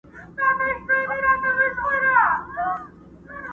دغه ځانګړتياوي پر لوستونکو ژور اغېز کوي او فکر کولو ته يې هڅوي،